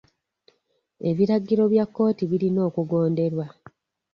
Ebiragiro bya kkooti birina okugonderwa.